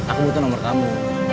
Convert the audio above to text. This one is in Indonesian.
aku butuh nomor kamu